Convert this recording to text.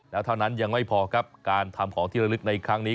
แล้วเท่านั้นยังไม่พอครับการทำของที่ระลึกในครั้งนี้